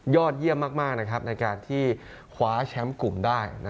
เยี่ยมมากในการที่คว้าแชมป์กลุ่มได้